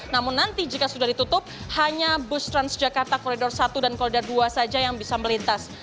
namun nanti jika sudah ditutup hanya bus transjakarta koridor satu dan koridor dua saja yang bisa melintas